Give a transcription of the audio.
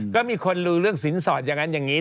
ก็มีคนรู้เรื่องสินสอดอย่างนั้นอย่างนี้